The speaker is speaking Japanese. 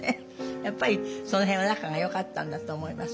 やっぱりその辺は仲がよかったんだと思います。